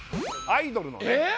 アイドルのね